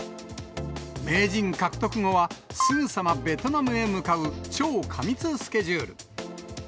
名人獲得後は、すぐさまベトナムへ向かう超過密スケジュール。